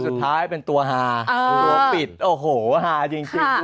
สกิดยิ้ม